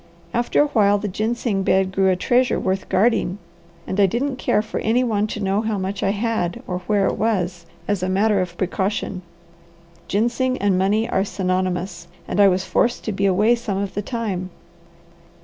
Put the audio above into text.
After a while the ginseng bed grew a treasure worth guarding, and I didn't care for any one to know how much I had or where it was, as a matter of precaution. Ginseng and money are synonymous, and I was forced to be away some of the time."